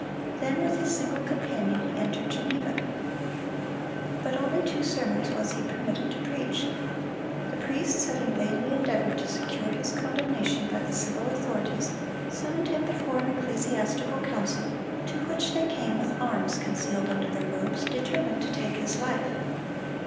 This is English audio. Then with a single companion he entered Geneva. But only two sermons was he permitted to preach. The priests, having vainly endeavored to secure his condemnation by the civil authorities, summoned him before an ecclesiastical council, to which they came with arms concealed under their robes, determined to take his life.